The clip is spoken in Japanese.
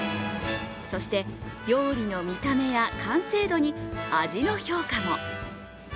そして料理の見た目や完成度に味の評価も。